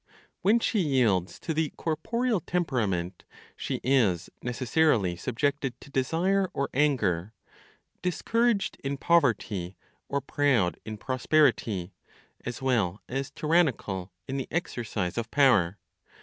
When she yields to the corporeal temperament, she is necessarily subjected to desire or anger, discouraged in poverty, or proud in prosperity, as well as tyrannical in the exercise of power.